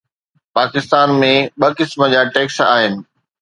پاڪستان ۾ ٻه قسم جا ٽيڪس آهن.